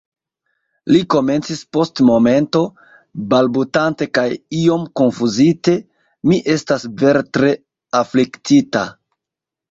Li komencis post momento, balbutante kaj iom konfuzite, -- mi estas vere tre afliktita.